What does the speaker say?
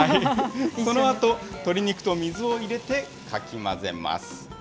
このあと、鶏肉と水を入れてかき混ぜます。